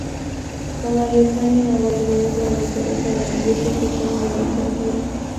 Wamarekani na Waingereza walipeleka wanajeshi Kusini mwa Italia